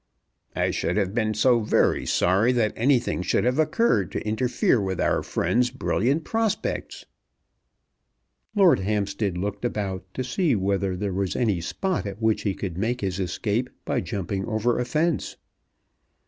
"I should have been so very sorry that anything should have occurred to interfere with our friend's brilliant prospects." Lord Hampstead looked about to see whether there was any spot at which he could make his escape by jumping over a fence.